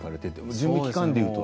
準備期間でいうと？